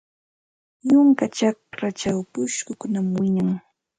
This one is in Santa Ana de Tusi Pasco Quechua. Yunka chakrachaw pushkukunam wiñan.